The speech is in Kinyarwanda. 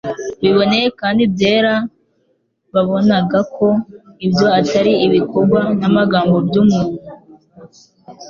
biboneye kandi byera, babonaga ko ibyo atari ibikorwa n'amagambo by'umuntu